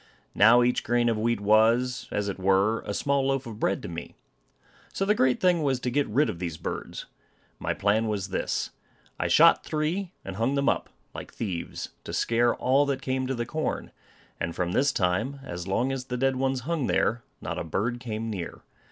Now each grain of wheat was, as it were, a small loaf of bread to me. So the great thing was to get rid of these birds. My plan was this, I shot three, and hung them up, like thieves, to scare all that came to the corn; and from this time, as long as the dead ones hung there, not a bird came near.